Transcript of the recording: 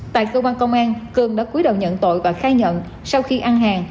tại cơ quan công an cường đã cuối đầu nhận tội và khai nhận sau khi ăn hàng